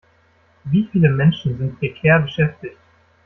Wie viele Menschen sind prekär beschäftigt?